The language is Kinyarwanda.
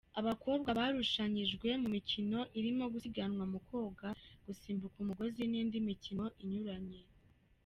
Abakobwa barushanyijwe mu mikino irimo gusiganwa mu koga, gusimbuka umugozi n’indi mikino inyuranye.